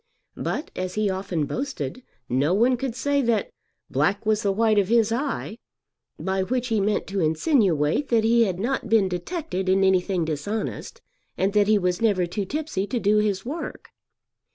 But, as he often boasted, no one could say that "black was the white of his eye;" by which he meant to insinuate that he had not been detected in anything dishonest and that he was never too tipsy to do his work.